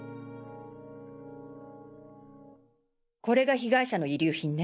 これが被害者の遺留品ね。